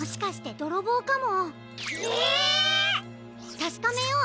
たしかめよう！